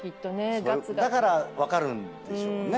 だから分かるんでしょうね。